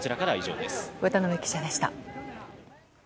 渡邊記者でした。